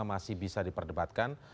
masih bisa diperdebatkan